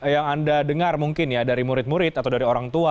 yang anda dengar mungkin ya dari murid murid atau dari orang tua